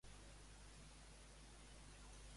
Els protagonistes es van posar a resar?